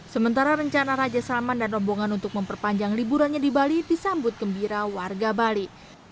sementara rencana raja salman dan rombongan untuk memperpanjang liburannya di bali disambut gembira warga bali